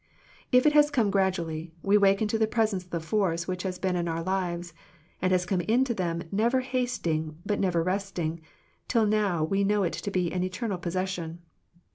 If it has come gradually, we waken to the presence of the force which has been in our lives, and has come into them never hasting but never resting, till now we know it to be an eternal possession.